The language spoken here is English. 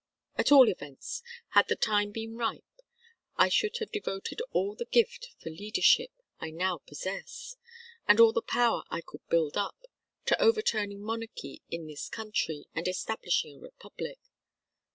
At all events, had the time been ripe I should have devoted all the gift for leadership I now possess, and all the power I could build up, to overturning monarchy in this country and establishing a republic.